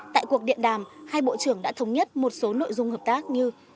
tại cuộc điện đàm hai bộ trưởng đã thống nhất một số nội dung hợp tác như